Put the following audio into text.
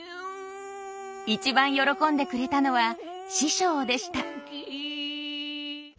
一番喜んでくれたのは師匠でした。